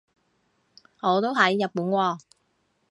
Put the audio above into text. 我都喺日本喎